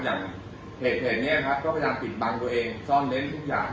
อย่างเหตุนี้ครับก็พยายามปิดบังตัวเองซ่อนเล้นทุกอย่าง